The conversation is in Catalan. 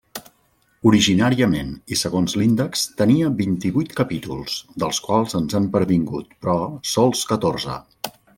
Originàriament i segons l'índex, tenia vint-i-vuit capítols, dels quals ens han pervingut, però, sols catorze.